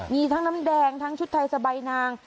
มีทั้งน้ำแดงทั้งชุดไทยสบายนาง